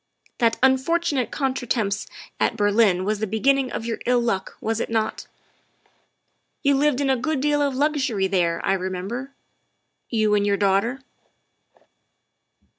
That unfortunate contretemps at Berlin was the be ginning of your ill luck, was it not? You lived in a good deal of luxury there, I remember you and your daughter.